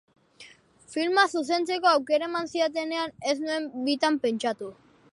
Filma zuzentzeko aukera eman zidatenean ez nuen bitan pentsatu.